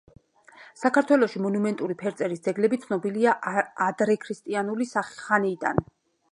საქართველოში მონუმენტური ფერწერის ძეგლები ცნობილია ადრექრისტიანული ხანიდან.